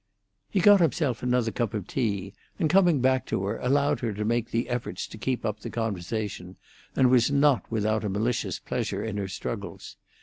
He got himself another cup of tea, and coming back to her, allowed her to make the efforts to keep up the conversation, and was not without a malicious pleasure in her struggles.